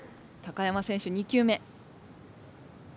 山選手２球目。